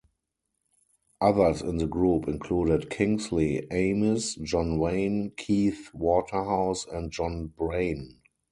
Others in the group included Kingsley Amis, John Wain, Keith Waterhouse and John Braine.